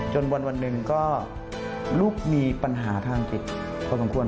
วันหนึ่งก็ลูกมีปัญหาทางจิตพอสมควร